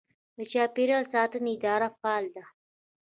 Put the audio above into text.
د چاپیریال ساتنې اداره فعاله ده.